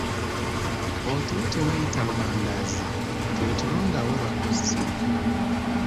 Otulo twebayita lubandaazi twe tulo nga weebaka osisimuka.